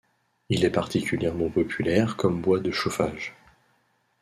Il est particulièrement populaire comme bois de chauffage.